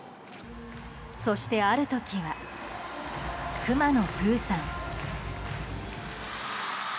そして、ある時はくまのプーさん。